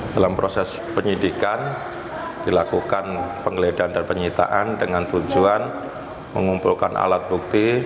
dalam proses penyidikan dilakukan penggeledahan dan penyitaan dengan tujuan mengumpulkan alat bukti